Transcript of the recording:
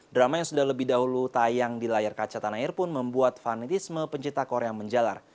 drama yang sudah lebih dahulu tayang di layar kaca tanah air pun membuat fanitisme pencipta korea menjalar